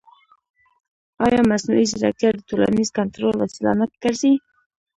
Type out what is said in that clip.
ایا مصنوعي ځیرکتیا د ټولنیز کنټرول وسیله نه ګرځي؟